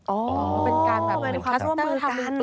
อ๋อเป็นความร่วมมือกัน